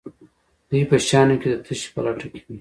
دوی په شیانو کې د تشې په لټه کې وي.